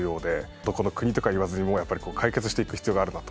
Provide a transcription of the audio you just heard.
どこの国とか言わずにやっぱり解決していく必要があるなと。